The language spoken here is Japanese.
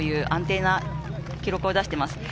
安定した記録を出しています。